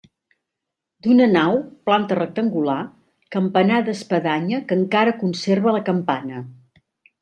D'una nau, planta rectangular, campanar d'espadanya que encara conserva la campana.